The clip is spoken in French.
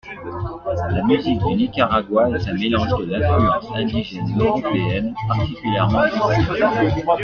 La musique du Nicaragua est un mélange de l’influence indigène et européenne, particulièrement espagnole.